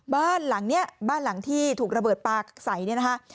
บ้านหลังนี้บ้านหลังที่ถูกระเบิดปลาใสเนี่ยนะคะ